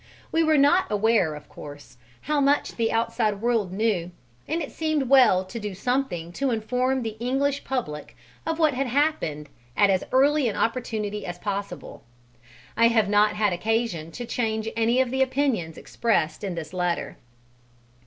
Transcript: We were not aware, of course, how much the outside world knew, and it seemed well to do something to inform the English public of what had happened at as early an opportunity as possible. I have not had occasion to change any of the opinions expressed in this letter.